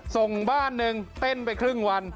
ส่งบ้านหนึ่งเต้นไปครึ่งวัน